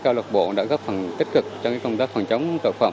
câu lạc bộ đã góp phần tích cực cho công tác phòng chống tội phạm